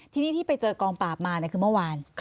ทีนี้ที่ไปเจอกองปราบมาคือเมื่อวาน